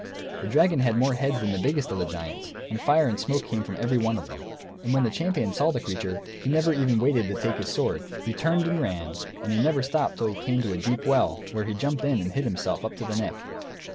The dragon had more heads than the biggest of the giants, and fire and smoke came from every one of them. And when the champion saw the creature, he never waited even to take his sword, he turned and ran; and he never stopped till he came to a deep well, where he jumped in and hid himself, up to the neck.